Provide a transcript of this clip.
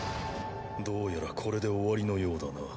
どうやらこれで終わりのようだな。